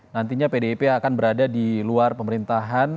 nantinya pdip akan berada di luar pemerintahan